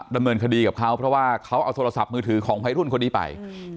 ดำเนินคดีกับเขาเพราะว่าเขาเอาโทรศัพท์มือถือของวัยรุ่นคนนี้ไป